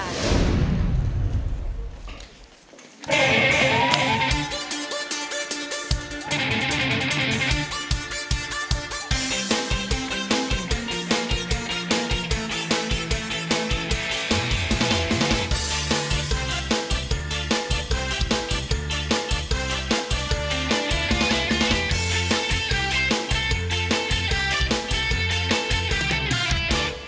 มดนตรีมดนตรีมดนตรี